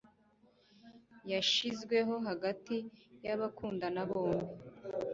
Yashizweho hagati yabakundana bombi